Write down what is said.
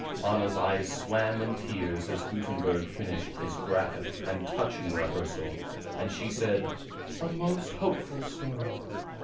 Anna's eyes swam in tears as Gutenberg finished his graphic and touching rehearsal, and she said, "A most hopeful history.